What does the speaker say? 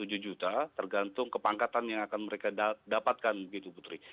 kisarannya antara tiga sampai tujuh juta tergantung kepangkatan yang akan mereka dapatkan begitu putri